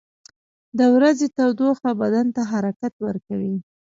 • د ورځې تودوخه بدن ته حرکت ورکوي.